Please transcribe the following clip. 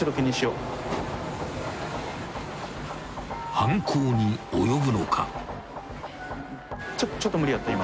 ［犯行に及ぶのか！？］